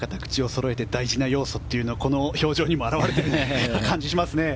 お二方、口をそろえて大事な要素というのはこの表情にも表れている感じがしますね。